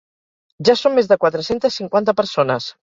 Ja som més de quatre-centes cinquanta persones.